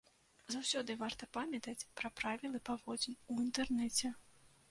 Заўсёды варта памятаць пра правілы паводзін у інтэрнэце.